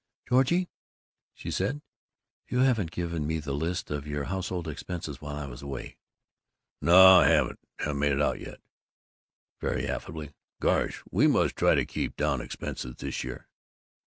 "Georgie," she said, "you haven't given me the list of your household expenses while I was away." "No, I Haven't made it out yet." Very affably: "Gosh, we must try to keep down expenses this year."